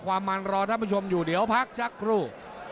ความมันรอท่านผู้ชมอยู่เดี๋ยวพักสักครู่